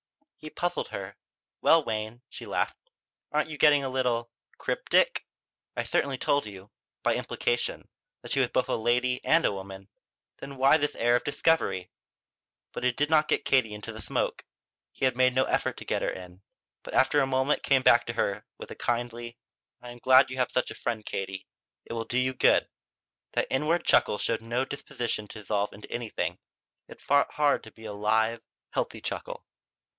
He puzzled her. "Well, Wayne," she laughed, "aren't you getting a little cryptic? I certainly told you by implication that she was both a lady and a woman. Then why this air of discovery?" But it did not get Katie into the smoke. He made no effort to get her in, but after a moment came back to her with a kindly: "I am glad you have such a friend, Katie. It will do you good." That inward chuckle showed no disposition to dissolve into anything; it fought hard to be just a live, healthy chuckle.